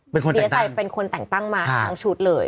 เป็นคนแต่งตั้งเป็นคนแต่งตั้งมาทางชุดเลย